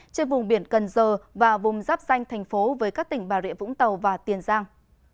trên vùng biển cần giờ và vùng giáp danh thành phố với các tỉnh bà rịa vũng tàu và tiền giang